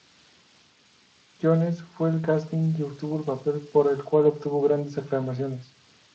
Jones fue al casting y obtuvo el papel, por el cual obtuvo grandes aclamaciones.